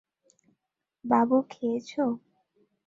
বাবু খেয়েছো?